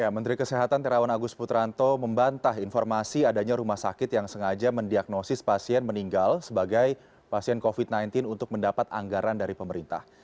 menteri kesehatan terawan agus putranto membantah informasi adanya rumah sakit yang sengaja mendiagnosis pasien meninggal sebagai pasien covid sembilan belas untuk mendapat anggaran dari pemerintah